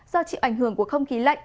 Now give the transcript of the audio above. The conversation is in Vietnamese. do chịu ảnh hưởng của không khí lạnh